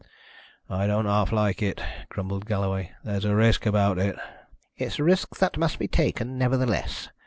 "I don't half like it," grumbled Galloway. "There's a risk about it " "It's a risk that must be taken, nevertheless."